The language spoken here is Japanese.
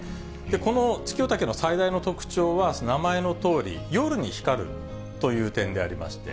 このツキヨタケの最大の特徴は、名前のとおり、夜に光るという点でありまして。